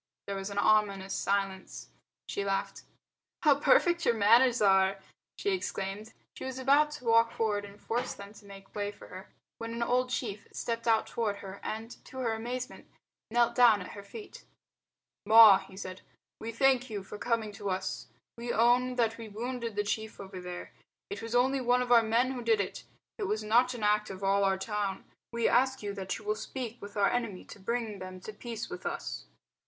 There was an ominous silence. She laughed. "How perfect your manners are!" she exclaimed. She was about to walk forward and force them to make way for her when an old chief stepped out toward her and, to her amazement, knelt down at her feet. "Ma," he said, "we thank you for coming to us. We own that we wounded the chief over there. It was only one of our men who did it. It was not the act of all our town. We ask you that you will speak with our enemy to bring them to peace with us."